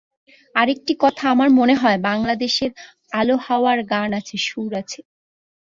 আরেকটি কথা, আমার মনে হয়, বাংলাদেশের আলো-হাওয়ায় গান আছে, সুর আছে।